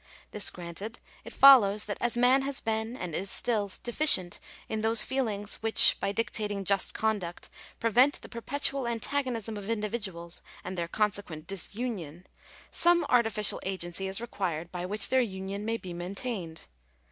This granted, it follows that as man has been, and is still, deficient ill those feelings which, by dictating just conduct, prevent the perpetual antagonism of individuals and their consequent dis union, some artificial agency is required by which their union may be maintained.